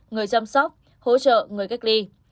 người chăm sóc hỗ trợ người cách ly